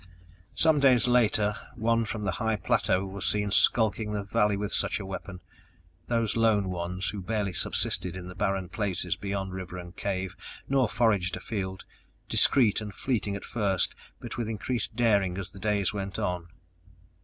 Some days later, one from the high plateau was seen skulking the valley with such a weapon. Those lone ones, who barely subsisted in the barren places beyond river and cave, nor foraged afield discreet and fleeting at first but with increased daring as the days went on.